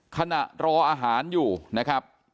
ขณะรออาหารอยู่นะครับ